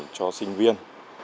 cho sinh viên